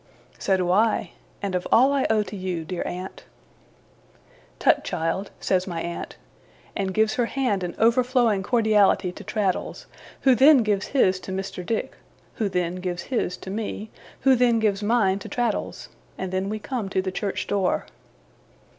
'So do I. And of all I owe to you, dear aunt.' 'Tut, child!' says my aunt; and gives her hand in overflowing cordiality to Traddles, who then gives his to Mr. Dick, who then gives his to me, who then gives mine to Traddles, and then we come to the church door.